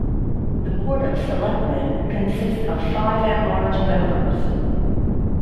The Board of Selectmen consists of five at-large members.